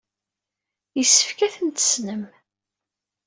Yessefk ad tent-tessnem.